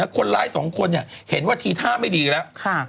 คนร้ายสองคนเห็นว่าทีท่าไม่ดีแล้ว